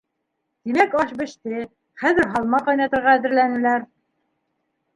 Тимәк, аш беште, хәҙер һалма ҡайнатырға әҙерләнәләр.